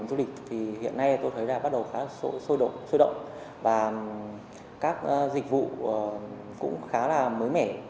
bắt đầu khá là sôi động và các dịch vụ cũng khá là mới mẻ